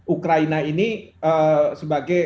ukraina ini sebagai